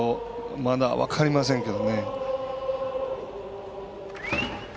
まだ分かりませんけどね。